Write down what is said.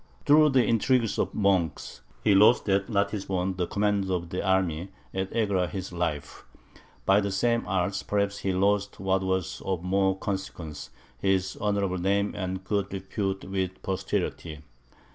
Through the intrigues of monks, he lost at Ratisbon the command of the army, and at Egra his life; by the same arts, perhaps, he lost what was of more consequence, his honourable name and good repute with posterity.